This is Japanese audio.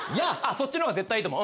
そっちのほうが絶対いいと思う。